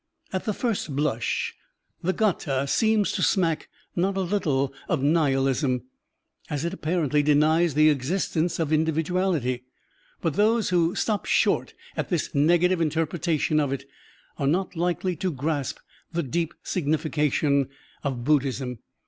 At the first blush the g^th^ seems to smack not a little of nihilism, as it apparently denies the existence of individuality. But those who stop short at this negative interpretation of it are not likely to grasp the deep signification of Buddhism.